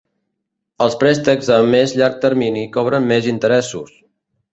Els préstecs a més llarg termini cobren més interessos.